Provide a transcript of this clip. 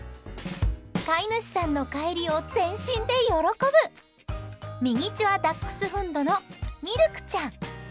飼い主さんの帰りを全身で喜ぶミニチュアダックスフントのミルクちゃん。